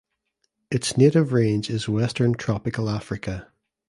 Its native range is western Tropical Africa.